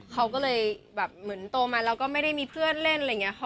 เขาก็เลยแบบเหมือนโตมาแล้วก็ไม่ได้มีเพื่อนเล่นอะไรอย่างนี้